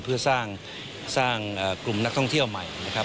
เพื่อสร้างกลุ่มนักท่องเที่ยวใหม่นะครับ